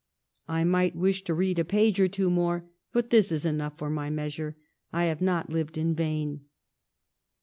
I might wish to read a page or two more, but this is enough for my measure — I have not lived in vain."